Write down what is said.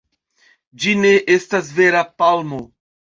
Ĝi ne estas vera palmo.